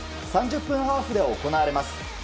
３０分ハーフで行われます。